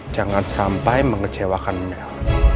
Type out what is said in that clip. jangan sampai mengecewakan mel